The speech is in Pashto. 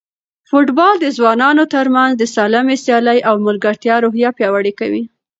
فوټبال د ځوانانو ترمنځ د سالمې سیالۍ او ملګرتیا روحیه پیاوړې کوي.